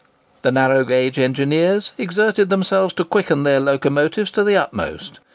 The narrow gauge engineers exerted themselves to quicken their locomotives to the utmost.